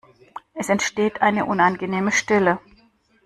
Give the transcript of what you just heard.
Es entsteht eine unangenehme Stille.